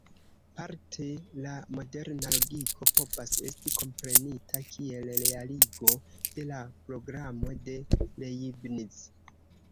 Parte la "moderna logiko" povas esti komprenita kiel realigo de la programo de Leibniz.